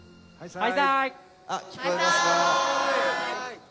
はい。